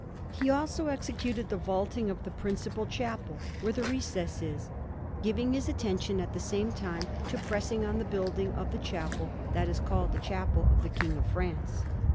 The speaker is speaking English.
He also executed the vaulting of the principal chapel, where the recess is, giving his attention at the same time to pressing on the building of the chapel that is called the Chapel of the King of France.